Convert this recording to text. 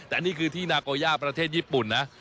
แต่นี่คือที่นาโกย่าประเทศญี่ปุ่นนะ